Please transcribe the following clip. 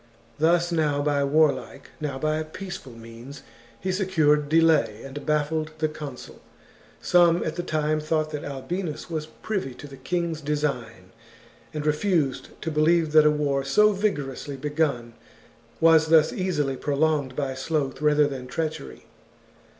Thus, now by warlike, now by peaceful means, he secured delay, and bafiled the consul. Some at the time thought that Albinus was privy to the king's THE JUGURTHINE WAR. 163 design, and refused to believe that a war so vigorously chap. begun was thus easily prolonged by sloth rather than treachery.